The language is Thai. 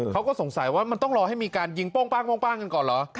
เขาก็สงสัยว่ามันต้องรอให้มีการยิงโป้งกันก่อนเหรอ